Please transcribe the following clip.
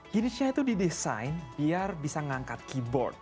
hinge nya itu didesain biar bisa ngangkat keyboard